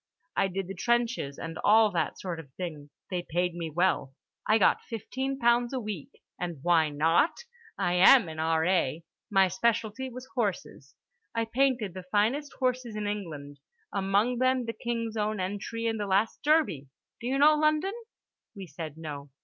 I did the trenches and all that sort of thing. They paid me well; I got fifteen pounds a week. And why not? I am an R.A. My specialty was horses. I painted the finest horses in England, among them the King's own entry in the last Derby. Do you know London?" We said no.